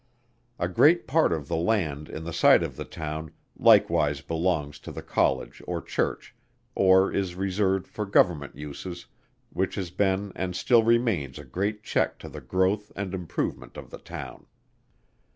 A great part of the land in the site of the town, likewise belongs to the College or Church, or is reserved for Government uses, which has been and still remains a great check to the growth and improvement of the Town.